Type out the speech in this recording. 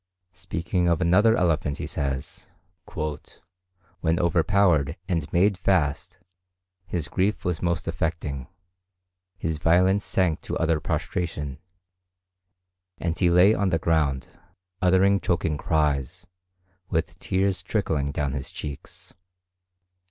Speaking of another elephant he says, "When overpowered and made fast, his grief was most affecting; his violence sank to utter prostration, and he lay on the ground, uttering choking cries, with tears trickling down his cheeks."